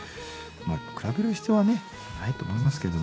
比べる必要はないと思いますけども。